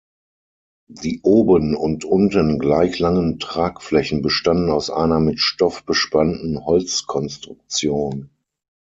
Die oben und unten gleich langen Tragflächen bestanden aus einer mit Stoff bespannten Holzkonstruktion.